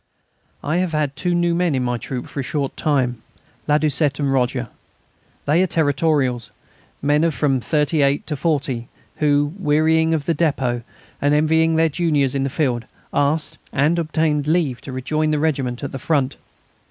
I have had two new men in my troop for a short time: Ladoucette and Roger. They are Territorials, men of from thirty eight to forty, who, wearying of the depôt and envying their juniors in the field, asked and obtained leave to rejoin the regiment at the Front.